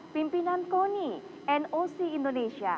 pimpinan koni noc indonesia